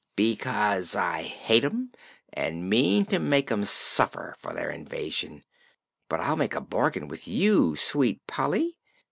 "Because I hate 'em and mean to make 'em suffer for their invasion. But I'll make a bargain with you, sweet Polly.